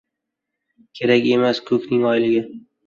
Kerak emas ko‘kning oyligi.